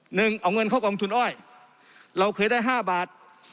หนึ่งเอาเงินเข้ากองทุนอ้อยเราเคยได้ห้าบาท